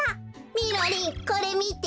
みろりんこれみて。